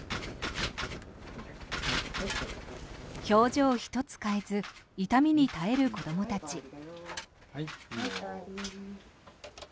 表情一つ変えず痛みに耐える子どもたち。